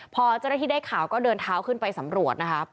พอเจ้าหน้าที่ได้ข่าวก็เดินเท้าขึ้นไปสำรวจนะคะ